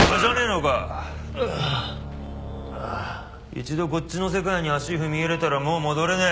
一度こっちの世界に足踏み入れたらもう戻れねえ。